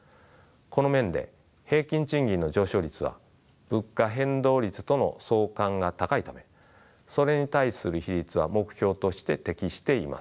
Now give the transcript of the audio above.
この面で平均賃金の上昇率は物価変動率との相関が高いためそれに対する比率は目標として適しています。